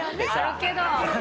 あるけど。